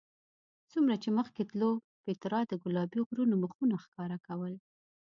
څومره چې مخکې تلو پیترا د ګلابي غرونو مخونه ښکاره کول.